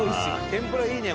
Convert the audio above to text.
天ぷらいいね